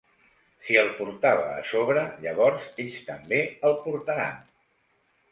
Si el portava a sobre, llavors ells també el portaran.